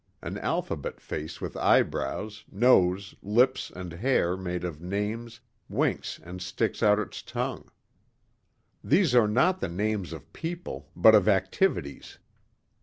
An alphabet face with eyebrows, nose, lips and hair made of names winks and sticks out its tongue. These are not the names of people but of activities.